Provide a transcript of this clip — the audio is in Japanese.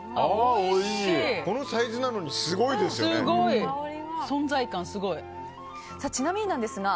このサイズなのにすごいですよね。